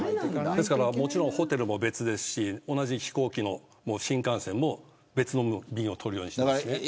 もちろんホテルも別ですし同じ飛行機、新幹線も別の便を取るようになっている。